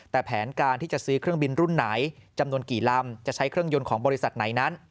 แต่แผนการที่จะซื้อเครื่องบินรุ่นไหนจำนวนกี่ลำจะใช้เครื่องยนต์ของบริษัทไหนนั้น